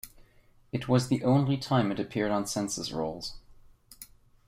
It was the only time it appeared on census rolls.